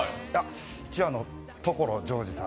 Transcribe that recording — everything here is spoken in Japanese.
一応所ジョージさん。